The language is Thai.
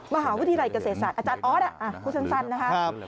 มหาวิทยาลัยเกษตรศาสตร์อาจารย์ออสพูดสั้นนะครับ